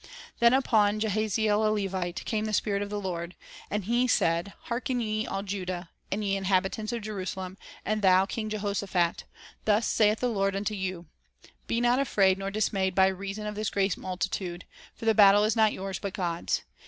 1 Then upon Jahaziel a Levite "came the Spirit of the Lord; ... and he said, Harken ye, all Judah, " TAe Battle Is and ye inhabitants of Jerusalem, and thou king Jehosha Not Yours phat, Thus saith the Lord unto you, Be not afraid nor dismayed by reason of this great multitude; for the battle is not yours, but God's.